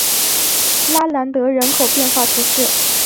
拉兰德人口变化图示